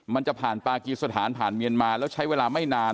มันจะผ่านปากีสถานผ่านเมียนมาแล้วใช้เวลาไม่นาน